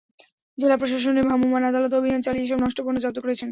জেলা প্রশাসনের ভ্রাম্যমাণ আদালত অভিযান চালিয়ে এসব নষ্ট পণ্য জব্দ করেছেন।